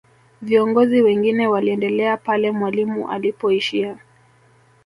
viongozi wengine waliendelea pale mwalimu alipoishia